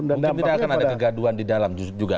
mungkin tidak akan ada kegaduan di dalam juga